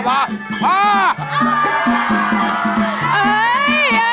ต่างเพิ่ม